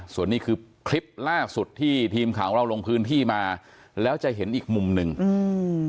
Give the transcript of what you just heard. ส่วนนี้คือคลิปล่าสุดที่ทีมข่าวของเราลงพื้นที่มาแล้วจะเห็นอีกมุมหนึ่งอืม